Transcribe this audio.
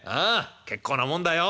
結構なもんだよ。